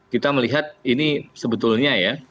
kita melihat ini sebetulnya ya